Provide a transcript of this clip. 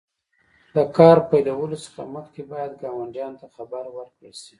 د کار پیلولو څخه مخکې باید ګاونډیانو ته خبر ورکړل شي.